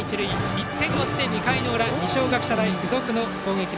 １点を追って、２回の裏二松学舎大付属の攻撃。